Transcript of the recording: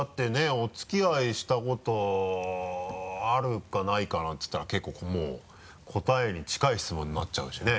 お付き合いしたことあるかないかなんて言ったら結構もう答えに近い質問になっちゃうしね。